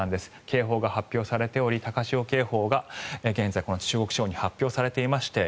警報が発表されており高潮警報が現在、この中国地方に発表されていまして